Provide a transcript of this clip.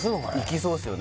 そうですよね